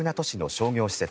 商業施設